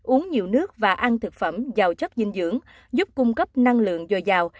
uống nhiều nước và ăn thực phẩm giàu chất dinh dưỡng giúp cung cấp năng lượng dồi dào